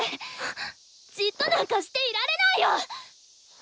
じっとなんかしていられないよ！